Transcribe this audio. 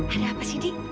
ada apa sih di